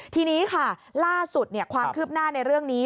ทีนี้ค่ะล่าสุดความคืบหน้าในเรื่องนี้